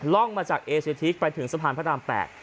ร่องมาจากเอเชียทีกไปถึงสะพานพระราม๘